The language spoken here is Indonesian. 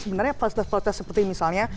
sebenarnya fasilitas fasilitas seperti misalnya